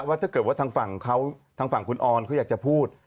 ว่าถ้าเกิดว่าทางฝั่งเขาทางฝั่งคุณออนเขาอยากจะพูด